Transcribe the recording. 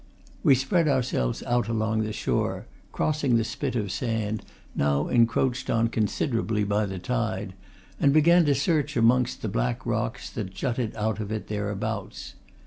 We spread ourselves out along the shore, crossing the spit of sand, now encroached on considerably by the tide, and began to search amongst the black rocks that jutted out of it thereabouts.